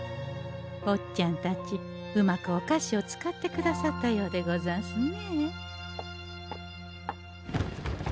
ぼっちゃんたちうまくお菓子を使ってくださったようでござんすね。